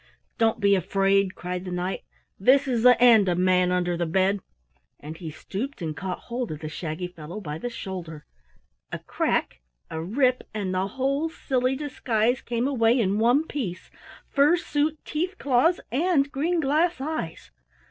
"Don't be afraid," cried the Knight. "This is the end of Manunderthebed!" And he stooped and caught hold of the shaggy fellow by the shoulder. A crack, a rip, and the whole silly disguise came away in one piece, fur suit, teeth, claws, and green glass eyes.